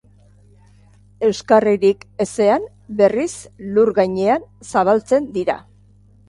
Euskarririk ezean, berriz, lur gainean zabaltzen dira.